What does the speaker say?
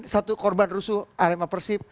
satu korban rusuh arema persib